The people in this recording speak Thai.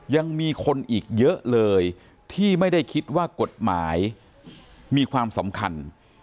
ยังมีคนอีกเยอะเลยที่ไม่ได้คิดว่ากฎหมายมีความสำคัญ